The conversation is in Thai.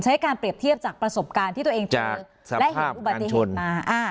ใช้การเปรียบเทียบจากประสบการณ์ที่ตัวเองเจอและเห็นอุบัติเหตุมา